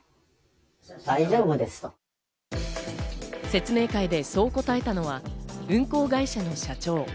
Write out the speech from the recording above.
説明会でそう答えたのは運航会社の社長。